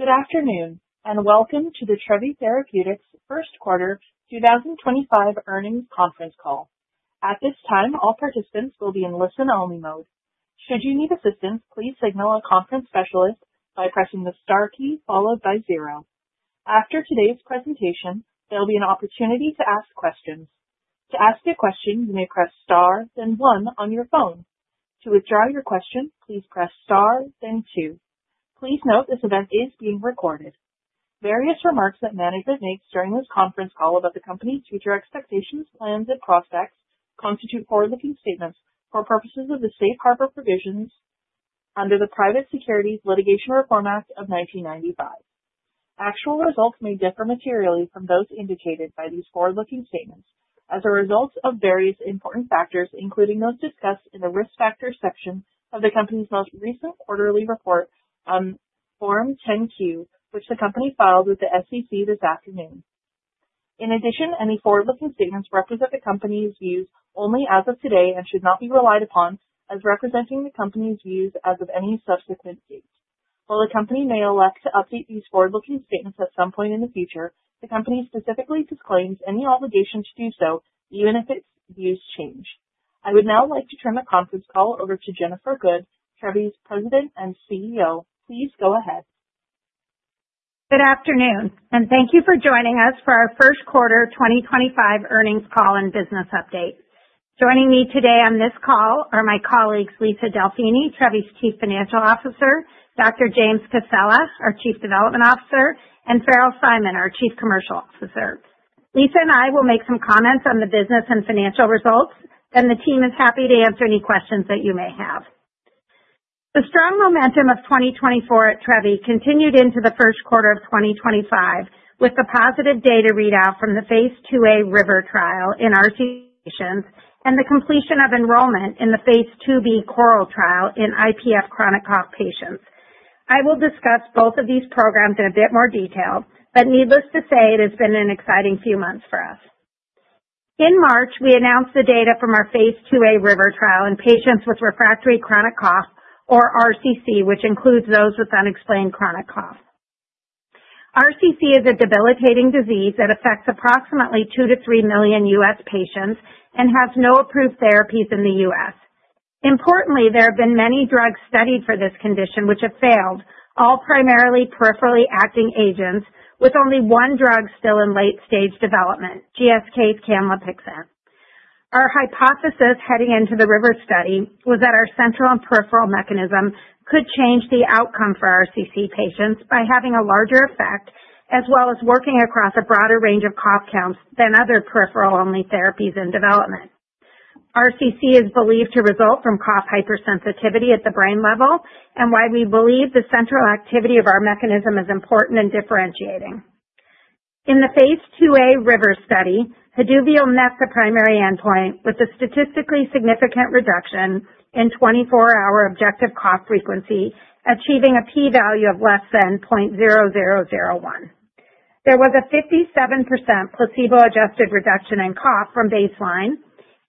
Good afternoon, and welcome to the Trevi Therapeutics First Quarter 2025 Earnings Conference Call. At this time, all participants will be in listen-only mode. Should you need assistance, please signal a conference specialist by pressing the star key followed by zero. After today's presentation, there will be an opportunity to ask questions. To ask a question, you may press star then one on your phone. To withdraw your question, please press star then two. Please note this event is being recorded. Various remarks that management makes during this conference call about the company's future expectations, plans, and prospects constitute forward-looking statements for purposes of the safe harbor provisions under the Private Securities Litigation Reform Act of 1995. Actual results may differ materially from those indicated by these forward-looking statements as a result of various important factors, including those discussed in the risk factor section of the company's most recent quarterly report on Form 10-Q, which the company filed with the SEC this afternoon. In addition, any forward-looking statements represent the company's views only as of today and should not be relied upon as representing the company's views as of any subsequent date. While the company may elect to update these forward-looking statements at some point in the future, the company specifically disclaims any obligation to do so, even if its views change. I would now like to turn the conference call over to Jennifer Good, Trevi's President and CEO. Please go ahead. Good afternoon, and thank you for joining us for our First Quarter 2025 Earnings Call and Business Update. Joining me today on this call are my colleagues, Lisa Delfini, Trevi's Chief Financial Officer, Dr. James Cassella, our Chief Development Officer, and Farrell Simon, our Chief Commercial Officer. Lisa and I will make some comments on the business and financial results, and the team is happy to answer any questions that you may have. The strong momentum of 2024 at Trevi continued into the first quarter of 2025 with the positive data readout from the phase II-A RIVER trial in our patients and the completion of enrollment in the phase II-B CORAL trial in IPF chronic cough patients. I will discuss both of these programs in a bit more detail, but needless to say, it has been an exciting few months for us. In March, we announced the data from our phase II-A RIVER trial in patients with refractory chronic cough, or RCC, which includes those with unexplained chronic cough. RCC is a debilitating disease that affects approximately 2-3 million U.S. patients and has no approved therapies in the U.S. Importantly, there have been many drugs studied for this condition which have failed, all primarily peripherally acting agents, with only one drug still in late-stage development, GSK's Camlipixant. Our hypothesis heading into the RIVER study was that our central and peripheral mechanism could change the outcome for RCC patients by having a larger effect as well as working across a broader range of cough counts than other peripheral-only therapies in development. RCC is believed to result from cough hypersensitivity at the brain level and why we believe the central activity of our mechanism is important in differentiating. In the phase II-A RIVER study, Haduvio met the primary endpoint with a statistically significant reduction in 24-hour objective cough frequency, achieving a p-value of less than 0.0001. There was a 57% placebo-adjusted reduction in cough from baseline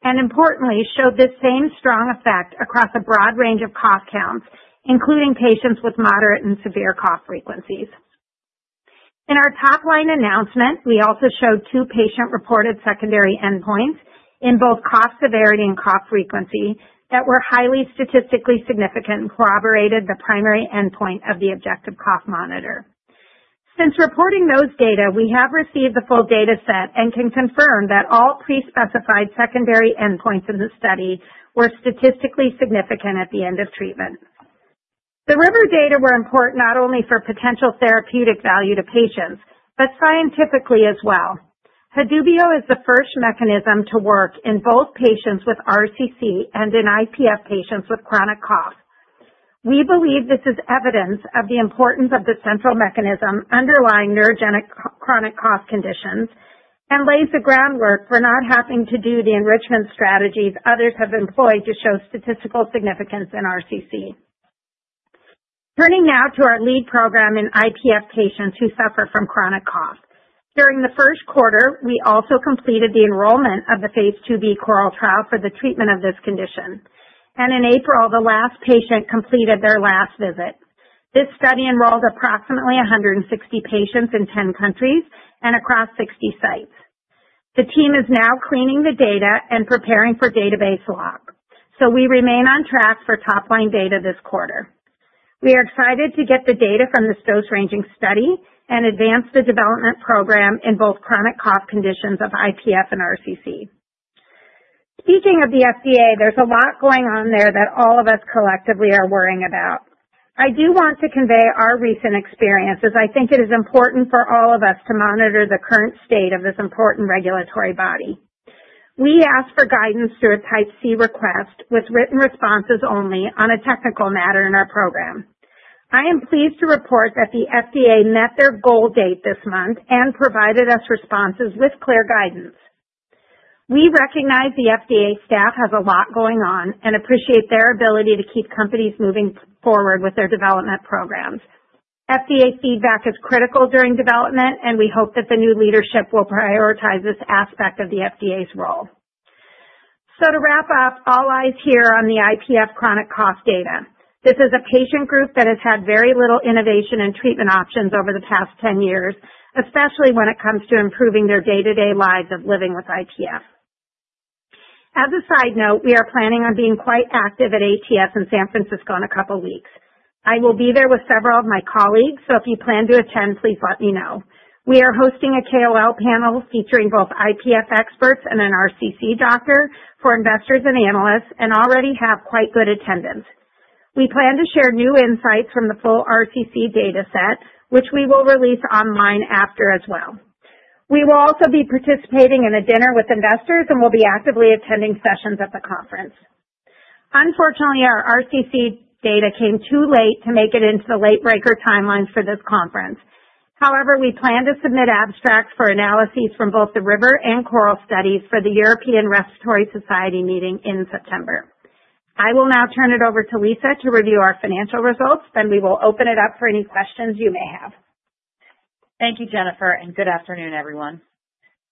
and, importantly, showed the same strong effect across a broad range of cough counts, including patients with moderate and severe cough frequencies. In our top-line announcement, we also showed two patient-reported secondary endpoints in both cough severity and cough frequency that were highly statistically significant and corroborated the primary endpoint of the objective cough monitor. Since reporting those data, we have received the full data set and can confirm that all pre-specified secondary endpoints in the study were statistically significant at the end of treatment. The RIVER data were important not only for potential therapeutic value to patients, but scientifically as well. Haduvio is the first mechanism to work in both patients with RCC and in IPF patients with chronic cough. We believe this is evidence of the importance of the central mechanism underlying neurogenic chronic cough conditions and lays the groundwork for not having to do the enrichment strategies others have employed to show statistical significance in RCC. Turning now to our lead program in IPF patients who suffer from chronic cough. During the first quarter, we also completed the enrollment of the phase II-B CORAL trial for the treatment of this condition, and in April, the last patient completed their last visit. This study enrolled approximately 160 patients in 10 countries and across 60 sites. The team is now cleaning the data and preparing for database lock, so we remain on track for top-line data this quarter. We are excited to get the data from this dose-ranging study and advance the development program in both chronic cough conditions of IPF and RCC. Speaking of the FDA, there's a lot going on there that all of us collectively are worrying about. I do want to convey our recent experience as I think it is important for all of us to monitor the current state of this important regulatory body. We ask for guidance through a Type C request with written responses only on a technical matter in our program. I am pleased to report that the FDA met their goal date this month and provided us responses with clear guidance. We recognize the FDA staff has a lot going on and appreciate their ability to keep companies moving forward with their development programs. FDA feedback is critical during development, and we hope that the new leadership will prioritize this aspect of the FDA's role. To wrap up, all eyes here on the IPF chronic cough data. This is a patient group that has had very little innovation in treatment options over the past 10 years, especially when it comes to improving their day-to-day lives of living with IPF. As a side note, we are planning on being quite active at ATS in San Francisco in a couple of weeks. I will be there with several of my colleagues, so if you plan to attend, please let me know. We are hosting a KOL panel featuring both IPF experts and an RCC doctor for investors and analysts and already have quite good attendance. We plan to share new insights from the full RCC data set, which we will release online after as well. We will also be participating in a dinner with investors and will be actively attending sessions at the conference. Unfortunately, our RCC data came too late to make it into the late-breaker timeline for this conference. However, we plan to submit abstracts for analyses from both the RIVER and CORAL studies for the European Respiratory Society meeting in September. I will now turn it over to Lisa to review our financial results, then we will open it up for any questions you may have. Thank you, Jennifer, and good afternoon, everyone.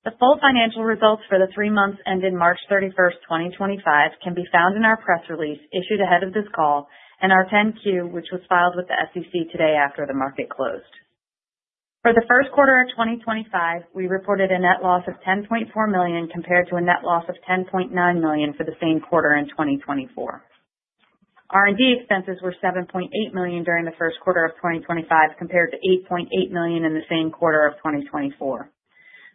The full financial results for the three months ending March 31st, 2025 can be found in our press release issued ahead of this call and our 10-Q, which was filed with the SEC today after the market closed. For the first quarter of 2025, we reported a net loss of $10.4 million compared to a net loss of $10.9 million for the same quarter in 2024. R&D expenses were $7.8 million during the first quarter of 2025 compared to $8.8 million in the same quarter of 2024.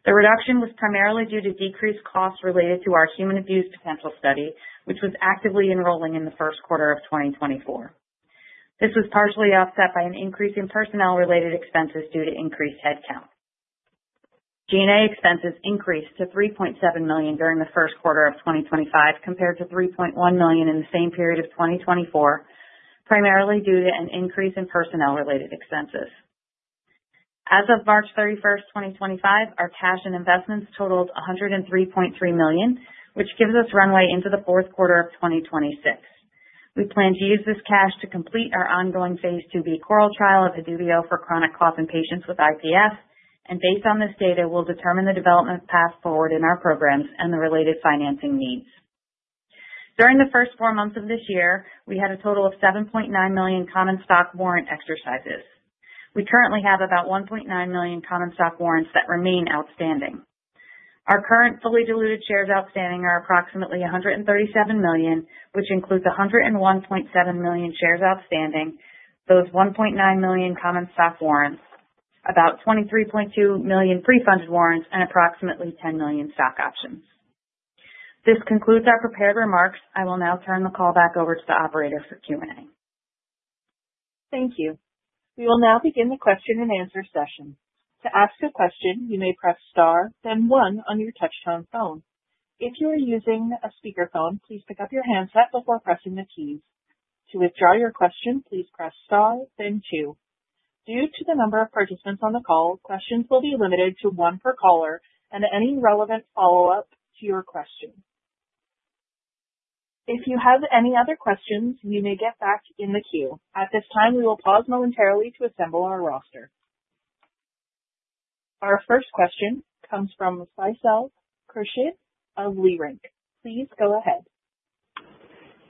The reduction was primarily due to decreased costs related to our human abuse potential study, which was actively enrolling in the first quarter of 2024. This was partially offset by an increase in personnel-related expenses due to increased headcount. G&A expenses increased to $3.7 million during the first quarter of 2025 compared to $3.1 million in the same period of 2024, primarily due to an increase in personnel-related expenses. As of March 31, 2025, our cash and investments totaled $103.3 million, which gives us runway into the fourth quarter of 2026. We plan to use this cash to complete our ongoing phase II-B CORAL trial of Haduvio for chronic cough in patients with IPF, and based on this data, we'll determine the development path forward in our programs and the related financing needs. During the first four months of this year, we had a total of 7.9 million common stock warrant exercises. We currently have about 1.9 million common stock warrants that remain outstanding. Our current fully diluted shares outstanding are approximately 137 million, which includes 101.7 million shares outstanding, those 1.9 million common stock warrants, about 23.2 million pre-funded warrants, and approximately 10 million stock options. This concludes our prepared remarks. I will now turn the call back over to the operator for Q&A. Thank you. We will now begin the question-and-answer session. To ask a question, you may press star, then one on your touch-tone phone. If you are using a speakerphone, please pick up your handset before pressing the keys. To withdraw your question, please press star, then two. Due to the number of participants on the call, questions will be limited to one per caller and any relevant follow-up to your question. If you have any other questions, you may get back in the queue. At this time, we will pause momentarily to assemble our roster. Our first question comes from Faisal Khurshid of Leerink Partners. Please go ahead.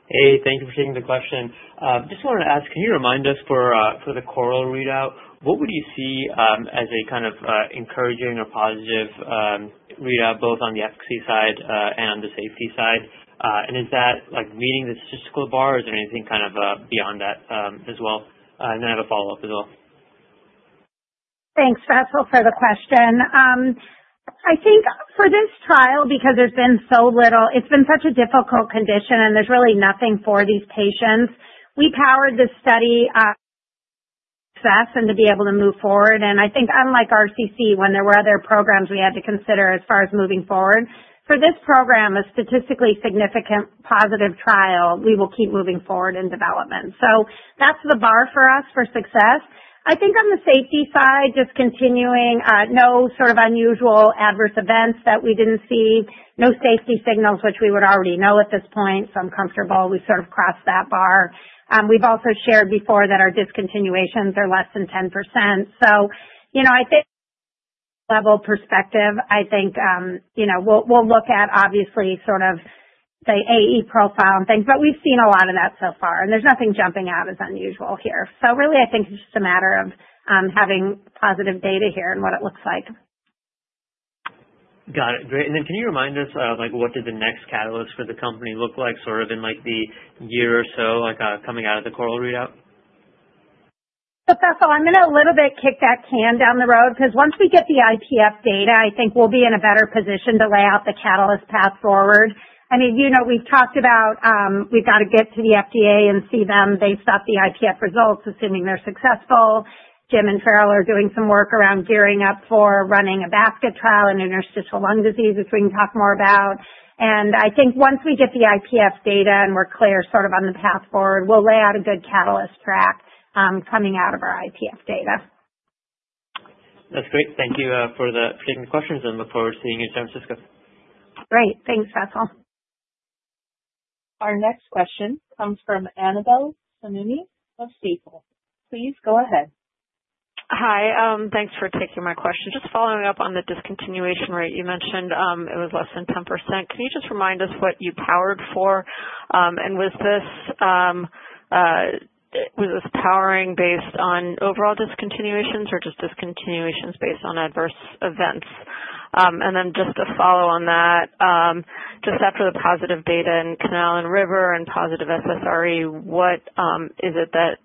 Hey, thank you for taking the question. I just wanted to ask, can you remind us for the CORAL readout, what would you see as a kind of encouraging or positive readout both on the efficacy side and on the safety side? Is that like meeting the statistical bar, or is there anything kind of beyond that as well? I have a follow-up as well. Thanks, Faisal, for the question. I think for this trial, because there's been so little, it's been such a difficult condition, and there's really nothing for these patients. We powered this study to be success and to be able to move forward. I think unlike RCC, when there were other programs we had to consider as far as moving forward, for this program, a statistically significant positive trial, we will keep moving forward in development. That's the bar for us for success. I think on the safety side, just continuing, no sort of unusual adverse events that we didn't see, no safety signals which we would already know at this point, so I'm comfortable we sort of crossed that bar. We've also shared before that our discontinuations are less than 10%. I think from a level perspective, I think we'll look at obviously sort of the AE profile and things, but we've seen a lot of that so far, and there's nothing jumping out as unusual here. Really, I think it's just a matter of having positive data here and what it looks like. Got it. Great. Can you remind us what do the next catalysts for the company look like sort of in the year or so coming out of the CORAL readout? Faisal, I'm going to a little bit kick that can down the road because once we get the IPF data, I think we'll be in a better position to lay out the catalyst path forward. I mean, we've talked about we've got to get to the FDA and see them based off the IPF results, assuming they're successful. Jim and Farrell are doing some work around gearing up for running a basket trial in interstitial lung disease, which we can talk more about. I think once we get the IPF data and we're clear sort of on the path forward, we'll lay out a good catalyst track coming out of our IPF data. That's great. Thank you for taking the questions, and look forward to seeing you in San Francisco. Great. Thanks, Faisal. Our next question comes from Annabel Samimy of Stifel. Please go ahead. Hi. Thanks for taking my question. Just following up on the discontinuation rate, you mentioned it was less than 10%. Can you just remind us what you powered for? Was this powering based on overall discontinuations or just discontinuations based on adverse events? Just to follow on that, after the positive data in CORAL and RIVER and positive SSRE, what is it that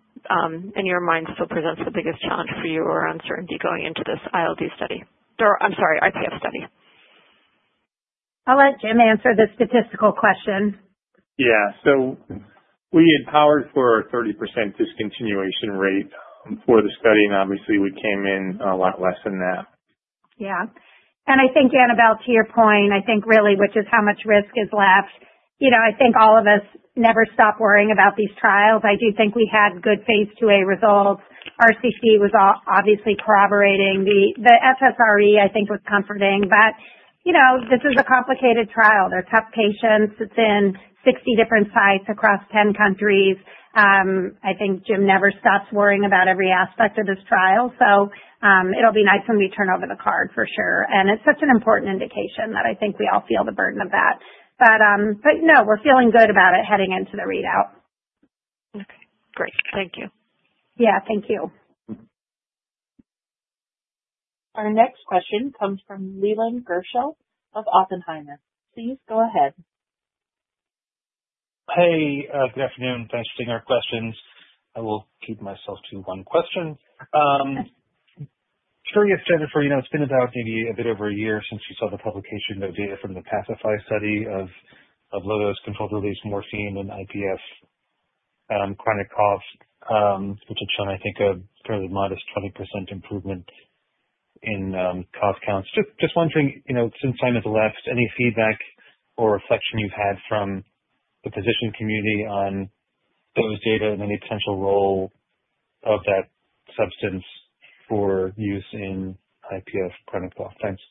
in your mind still presents the biggest challenge for you or uncertainty going into this ILD study? I'm sorry, IPF study. I'll let Jim answer the statistical question. Yeah. We had powered for a 30% discontinuation rate for the study, and obviously, we came in a lot less than that. Yeah. I think, Annabelle, to your point, I think really which is how much risk is left, I think all of us never stop worrying about these trials. I do think we had good phase II-A results. RCC was obviously corroborating. The SSRE, I think, was comforting, but this is a complicated trial. They're tough patients. It's in 60 different sites across 10 countries. I think Jim never stops worrying about every aspect of this trial, so it'll be nice when we turn over the card for sure. It's such an important indication that I think we all feel the burden of that. No, we're feeling good about it heading into the readout. Okay. Great. Thank you. Yeah. Thank you. Our next question comes from Leland Gershell of Oppenheimer. Please go ahead. Hey, good afternoon. Thanks for taking our questions. I will keep myself to one question. Curious, Jennifer, it's been about maybe a bit over a year since you saw the publication of data from the PACIFY study of low-dose controlled-release morphine in IPF chronic cough, which had shown, I think, a fairly modest 20% improvement in cough counts. Just wondering, since time has left, any feedback or reflection you've had from the physician community on those data and any potential role of that substance for use in IPF chronic cough? Thanks.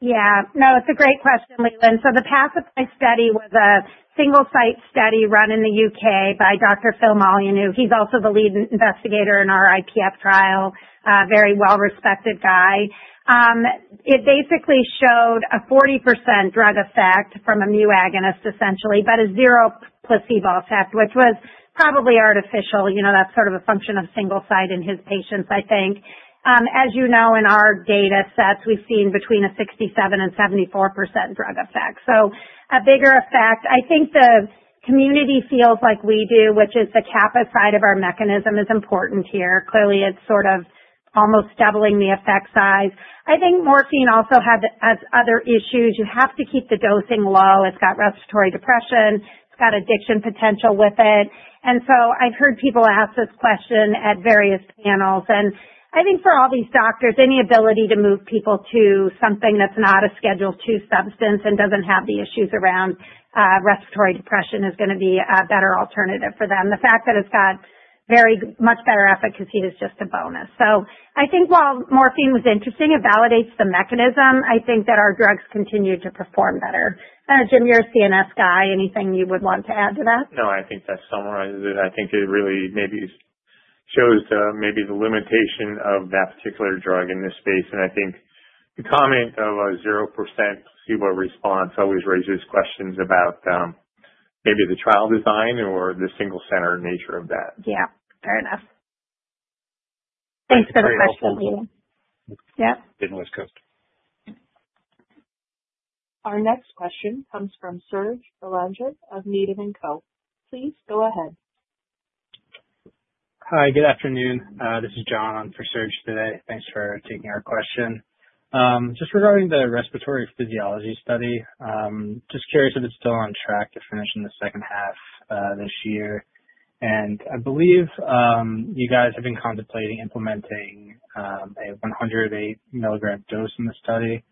Yeah. No, it's a great question, Leland. The PACIFY study was a single-site study run in the U.K. by Dr. Philip Molyneux. He's also the lead investigator in our IPF trial, a very well-respected guy. It basically showed a 40% drug effect from a mu agonist, essentially, but a zero placebo effect, which was probably artificial. That's sort of a function of single-site in his patients, I think. As you know, in our data sets, we've seen between a 67%-74% drug effect. A bigger effect, I think the community feels like we do, which is the capacity of our mechanism is important here. Clearly, it's sort of almost doubling the effect size. I think morphine also has other issues. You have to keep the dosing low. It's got respiratory depression. It's got addiction potential with it. I've heard people ask this question at various panels. I think for all these doctors, any ability to move people to something that's not a Schedule II substance and doesn't have the issues around respiratory depression is going to be a better alternative for them. The fact that it's got very much better efficacy is just a bonus. I think while morphine was interesting and validates the mechanism, I think that our drugs continue to perform better. Jim, you're a CNS guy. Anything you would want to add to that? No, I think that summarizes it. I think it really maybe shows maybe the limitation of that particular drug in this space. I think the comment of a 0% placebo response always raises questions about maybe the trial design or the single-center nature of that. Yeah. Fair enough. Thanks for the question, Leland. Thanks, Faisal. Yep. In West Coast. Our next question comes from Serge Belanger of Needham & Co. Please go ahead. Hi. Good afternoon. This is John for Serge today. Thanks for taking our question. Just regarding the respiratory physiology study, just curious if it's still on track to finish in the second half this year. I believe you guys have been contemplating implementing a 108 mg dose in the study.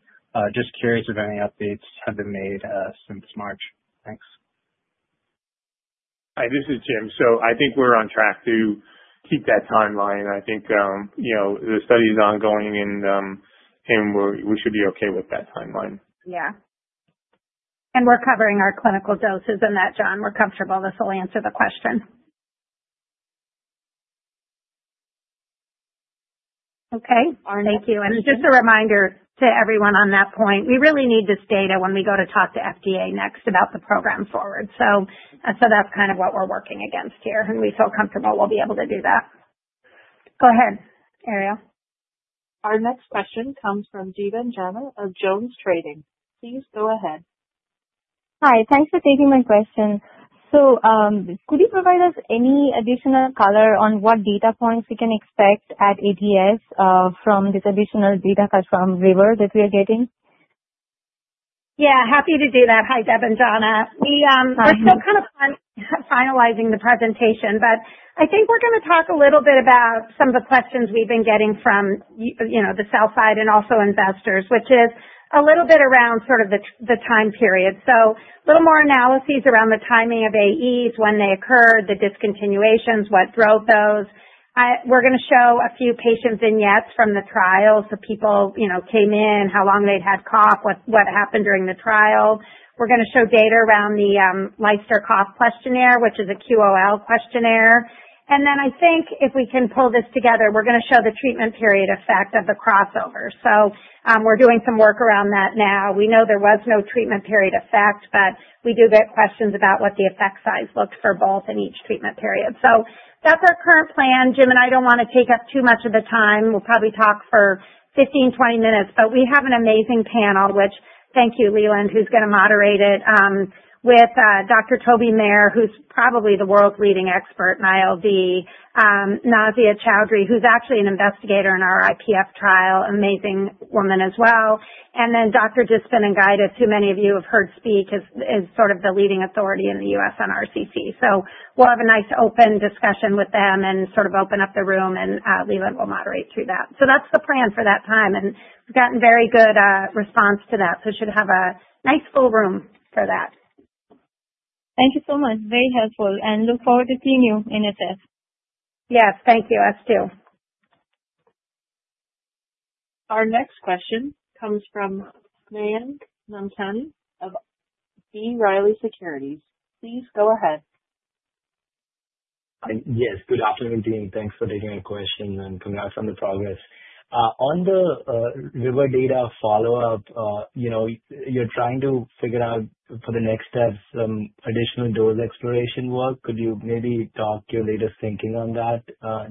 Just curious if any updates have been made since March. Thanks. Hi, this is Jim. I think we're on track to keep that timeline. I think the study is ongoing, and we should be okay with that timeline. Yeah. We are covering our clinical doses in that, John. We are comfortable. This will answer the question. Okay. Thank you. Just a reminder to everyone on that point, we really need this data when we go to talk to FDA next about the program forward. That is kind of what we are working against here, and we feel comfortable we will be able to do that. Go ahead, Ariel. Our next question comes from Debanjana of JonesTrading. Please go ahead. Hi. Thanks for taking my question. Could you provide us any additional color on what data points we can expect at ATS from this additional data from RIVER that we are getting? Yeah. Happy to do that. Hi, Debanjana. We're still kind of finalizing the presentation, but I think we're going to talk a little bit about some of the questions we've been getting from the sell-side and also investors, which is a little bit around sort of the time period. A little more analyses around the timing of AEs, when they occurred, the discontinuations, what drove those. We're going to show a few patient vignettes from the trial. People came in, how long they'd had cough, what happened during the trial. We're going to show data around the Leicester Cough Questionnaire, which is a QOL questionnaire. I think if we can pull this together, we're going to show the treatment period effect of the crossover. We're doing some work around that now. We know there was no treatment period effect, but we do get questions about what the effect size looks for both in each treatment period. That is our current plan. Jim and I do not want to take up too much of the time. We will probably talk for 15, 20 minutes, but we have an amazing panel, which thank you, Leland, who is going to moderate it, with Dr. Toby Maher, who is probably the world's leading expert in ILD, Nazia Chaudhary, who is actually an investigator in our IPF trial, amazing woman as well. Then Dr. Dicpinigaitis, who many of you have heard speak, is sort of the leading authority in the U.S. on RCC. We will have a nice open discussion with them and sort of open up the room, and Leland will moderate through that. That is the plan for that time. We've gotten very good response to that, so we should have a nice full room for that. Thank you so much. Very helpful. I look forward to seeing you in SF. Yes. Thank you. Us too. Our next question comes from Mayank Mamtani of B. Riley Securities. Please go ahead. Yes. Good afternoon, Dean. Thanks for taking our question and coming out from the progress. On the RIVER data follow-up, you're trying to figure out for the next steps some additional dose exploration work. Could you maybe talk your latest thinking on that,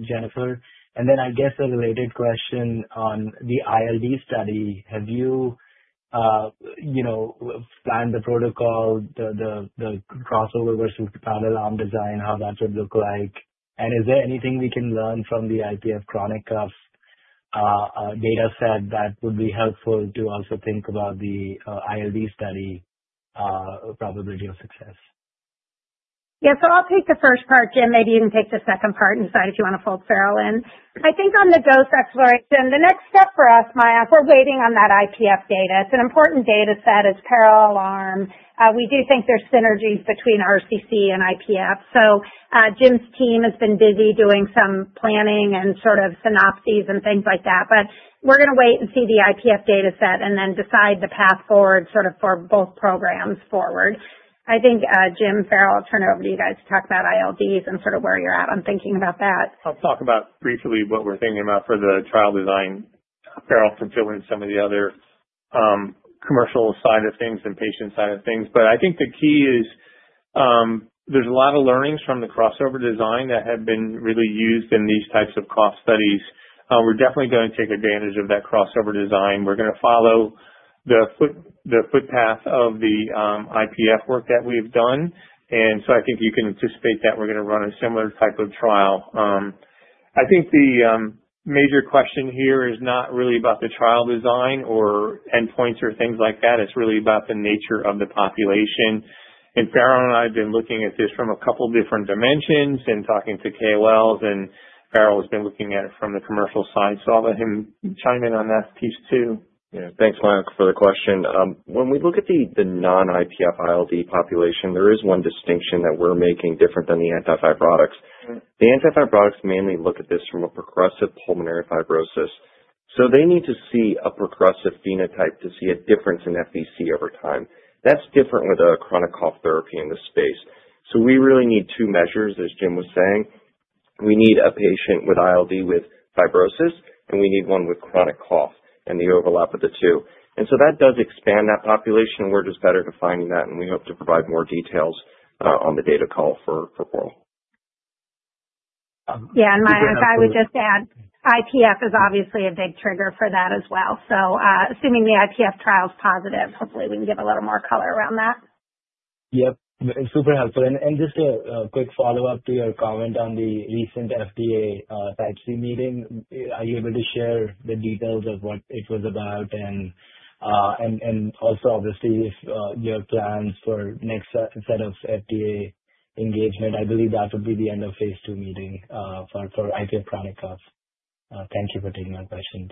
Jennifer? I guess a related question on the ILD study. Have you planned the protocol, the crossover versus the parallel arm design, how that would look like? Is there anything we can learn from the IPF chronic cough data set that would be helpful to also think about the ILD study probability of success? Yeah. I'll take the first part. Jim, maybe you can take the second part and decide if you want to fold Farrell in. I think on the dose exploration, the next step for us, Maya, we're waiting on that IPF data. It's an important data set as parallel arm. We do think there's synergies between RCC and IPF. Jim's team has been busy doing some planning and sort of synopses and things like that, but we're going to wait and see the IPF data set and then decide the path forward for both programs forward. I think, Jim, Farrell, I'll turn it over to you guys to talk about ILDs and where you're at on thinking about that. I'll talk about briefly what we're thinking about for the trial design. Farrell can fill in some of the other commercial side of things and patient side of things. I think the key is there's a lot of learnings from the crossover design that have been really used in these types of cough studies. We're definitely going to take advantage of that crossover design. We're going to follow the footpath of the IPF work that we've done. I think you can anticipate that we're going to run a similar type of trial. I think the major question here is not really about the trial design or endpoints or things like that. It's really about the nature of the population. Farrell and I have been looking at this from a couple of different dimensions and talking to KOLs, and Farrell has been looking at it from the commercial side. I will let him chime in on that piece too. Yeah. Thanks, Mayank, for the question. When we look at the non-IPF ILD population, there is one distinction that we're making different than the anti-fibrotic products. The anti-fibrotic products mainly look at this from a progressive pulmonary fibrosis. They need to see a progressive phenotype to see a difference in FVC over time. That's different with a chronic cough therapy in this space. We really need two measures, as Jim was saying. We need a patient with ILD with fibrosis, and we need one with chronic cough and the overlap of the two. That does expand that population, and we're just better defining that, and we hope to provide more details on the data call for CORAL. Yeah. Mayank, if I would just add, IPF is obviously a big trigger for that as well. Assuming the IPF trial's positive, hopefully, we can give a little more color around that. Yep. Super helpful. And just a quick follow-up to your comment on the recent FDA Type C meeting. Are you able to share the details of what it was about? And also, obviously, if you have plans for next set of FDA engagement, I believe that would be the end of phase II meeting for IPF chronic cough. Thank you for taking our questions.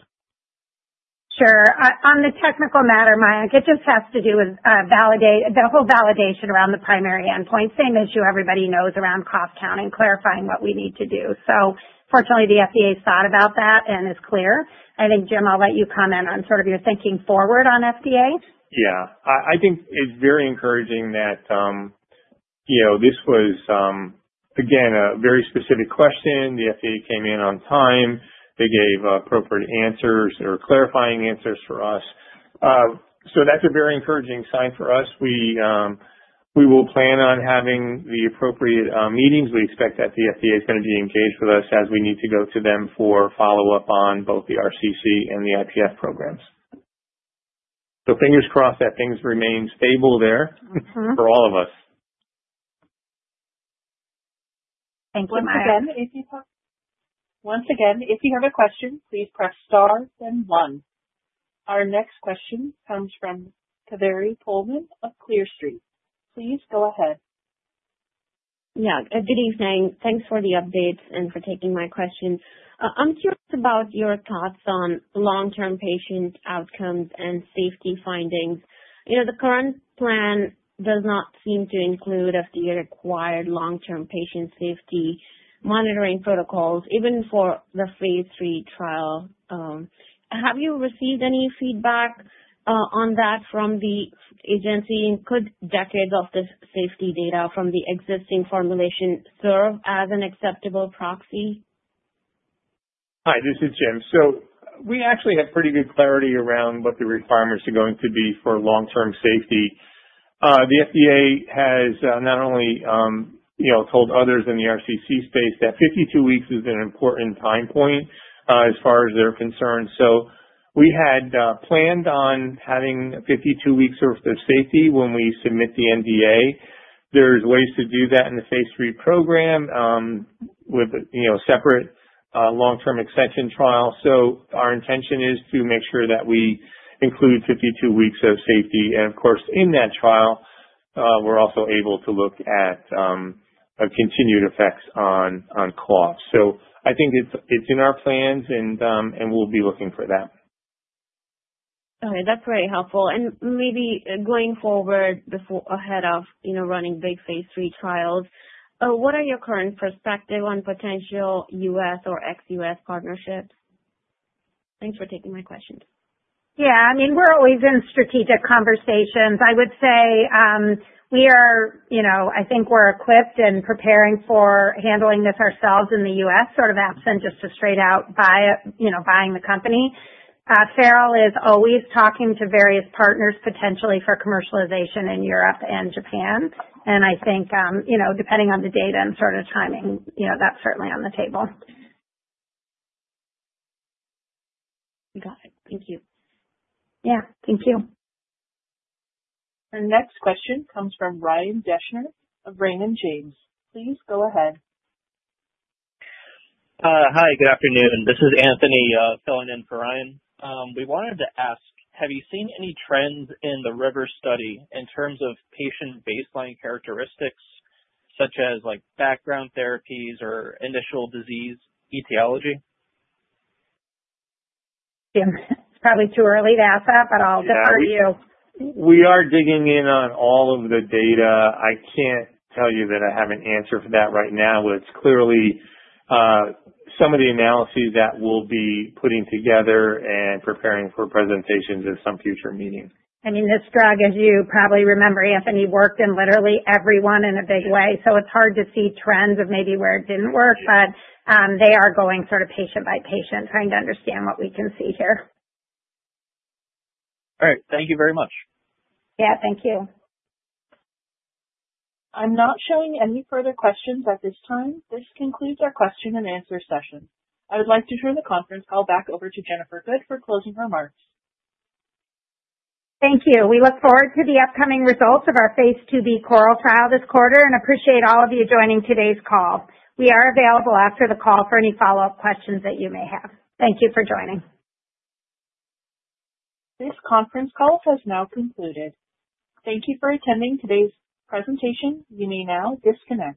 Sure. On the technical matter, Mayank, it just has to do with the whole validation around the primary endpoint, same issue everybody knows around cough count and clarifying what we need to do. Fortunately, the FDA's thought about that and is clear. I think, Jim, I'll let you comment on sort of your thinking forward on FDA. Yeah. I think it's very encouraging that this was, again, a very specific question. The FDA came in on time. They gave appropriate answers or clarifying answers for us. That's a very encouraging sign for us. We will plan on having the appropriate meetings. We expect that the FDA's going to be engaged with us as we need to go to them for follow-up on both the RCC and the IPF programs. Fingers crossed that things remain stable there for all of us. Thank you, Mayank. Once again, if you have a question, please press star then one. Our next question comes from Kaveri Pohlman of Clear Street. Please go ahead. Yeah. Good evening. Thanks for the updates and for taking my question. I'm curious about your thoughts on long-term patient outcomes and safety findings. The current plan does not seem to include FDA-required long-term patient safety monitoring protocols, even for the phase III trial. Have you received any feedback on that from the agency? Could decades of this safety data from the existing formulation serve as an acceptable proxy? Hi, this is Jim. We actually have pretty good clarity around what the requirements are going to be for long-term safety. The FDA has not only told others in the RCC space that 52 weeks is an important time point as far as they're concerned. We had planned on having 52 weeks' worth of safety when we submit the NDA. There are ways to do that in the phase III program with a separate long-term extension trial. Our intention is to make sure that we include 52 weeks of safety. Of course, in that trial, we're also able to look at continued effects on cough. I think it's in our plans, and we'll be looking for that. All right. That's very helpful. Maybe going forward ahead of running big phase III trials, what are your current perspective on potential U.S. or ex-U.S. partnerships? Thanks for taking my question. Yeah. I mean, we're always in strategic conversations. I would say we are, I think we're equipped and preparing for handling this ourselves in the U.S., sort of absent just to straight out buying the company. Farrell is always talking to various partners potentially for commercialization in Europe and Japan. I think depending on the data and sort of timing, that's certainly on the table. Got it. Thank you. Yeah. Thank you. Our next question comes from Ryan Deschner of Raymond James. Please go ahead. Hi. Good afternoon. This is Anthony filling in for Ryan. We wanted to ask, have you seen any trends in the RIVER study in terms of patient baseline characteristics such as background therapies or initial disease etiology? Jim. It's probably too early to ask that, but I'll defer to you. We are digging in on all of the data. I can't tell you that I have an answer for that right now, but it's clearly some of the analyses that we'll be putting together and preparing for presentations at some future meeting. I mean, this drug, as you probably remember, Anthony, worked in literally everyone in a big way. It is hard to see trends of maybe where it did not work, but they are going sort of patient by patient trying to understand what we can see here. All right. Thank you very much. Yeah. Thank you. I'm not showing any further questions at this time. This concludes our question and answer session. I would like to turn the conference call back over to Jennifer Good for closing remarks. Thank you. We look forward to the upcoming results of our phase II-B CORAL trial this quarter and appreciate all of you joining today's call. We are available after the call for any follow-up questions that you may have. Thank you for joining. This conference call has now concluded. Thank you for attending today's presentation. You may now disconnect.